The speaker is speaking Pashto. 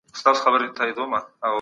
د اوبو په مقاومت سره عضلات قوي کېږي.